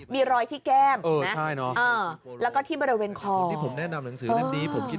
มีรอยที่แก้มแล้วก็ที่บรรเวณคอ